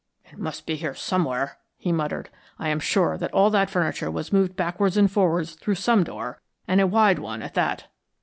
"It must be here somewhere," he muttered. "I am sure all that furniture was moved backwards and forwards through some door, and a wide one at that."